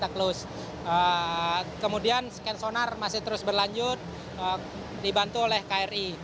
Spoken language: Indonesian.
kemudian scan sonar masih terus berlanjut dibantu oleh kri